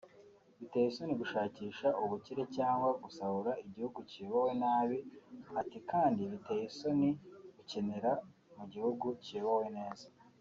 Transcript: Biteye isoni gushakisha ubukire cyangwa gusahura igihugu kiyobowe nabi ati kandi biteye isoni gukenera mu gihugu kiyobowe neza